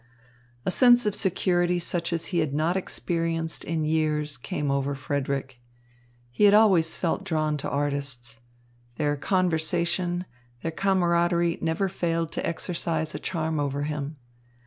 A sense of security such as he had not experienced in years came over Frederick. He had always felt drawn to artists. Their conversation, their camaraderie never failed to exercise a charm over him.